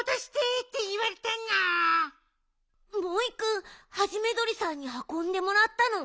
モイくんハジメドリさんにはこんでもらったの？